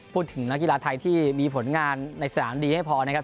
พูดถึงนักกีฬาไทยที่มีผลงานในสนามดีให้พอนะครับ